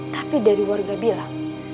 tapi dari warga bilang